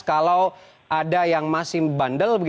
kalau ada yang masih bandel